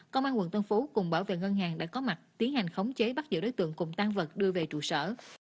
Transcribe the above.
công an quận tân phú cùng bảo vệ ngân hàng đã có mặt tiến hành khống chế bắt giữ đối tượng cùng tan vật đưa về trụ sở